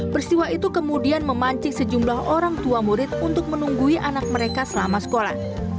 peristiwa itu kemudian memancing sejumlah orang tua murid untuk menunggui anak mereka selama sekolah